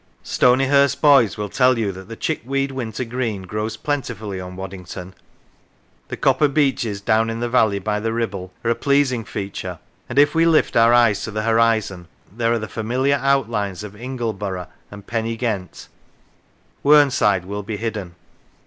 Stonyhurst boys will tell you that the chickweed winter green grows plentifully on Waddington. The copper beeches down in the valley by the Ribble are a pleasing feature, and if we lift our eyes to the horizon, there are the familiar outlines of Ingleborough and Pen y Ghent; Whernside will be hidden.